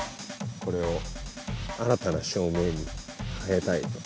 これを新たな照明に変えたい。